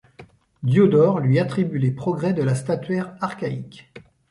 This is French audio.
Diodore lui attribue les progrès de la statuaire archaïque.